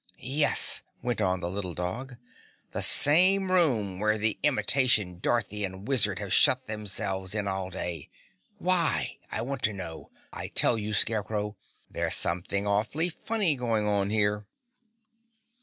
"Yes," went on the little dog, "the same room where the imitation Dorothy and Wizard have shut themselves in all day. Why? I want to know! I tell you, Scarecrow, there's something awfully funny going on here."